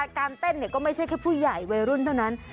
การเต้นก็ไม่ใช่แค่ผู้ใหญ่วัยรุ่นเท่านั้น